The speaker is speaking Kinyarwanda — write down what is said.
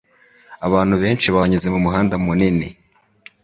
Abantu benshi banyuze mumuhanda munini.